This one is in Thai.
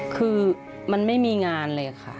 คือมันไม่มีงานเลยค่ะ